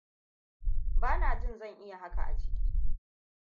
Ba na jin zan iya haka a ciki.